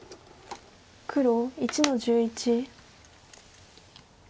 黒１の十一。